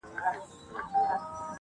له حجرو څخه به ږغ د ټنګ ټکور وي-